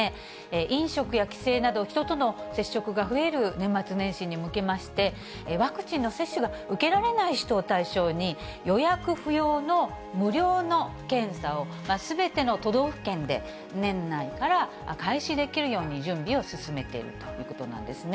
飲食や帰省など、人との接触が増える年末年始に向けまして、ワクチンの接種が受けられない人を対象に、予約不要の無料の検査を、すべての都道府県で、年内から開始できるように準備を進めているということなんですね。